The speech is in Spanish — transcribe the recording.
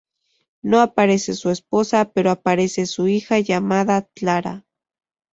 No aparece su esposa, pero aparece su hija llamada Clara.